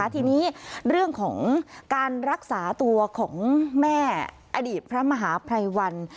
ทีนี้เรื่องของการรักษาตัวของแม่อดีตพระมหาภัยวัน